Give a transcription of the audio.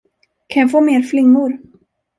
Kan jag få mer flingor?